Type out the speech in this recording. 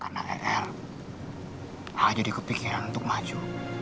karena er a jadi kepikiran untuk maju